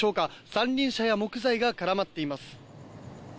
三輪車や木材が絡まっています。